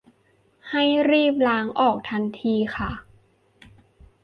ให้รีบล้างออกทันทีค่ะ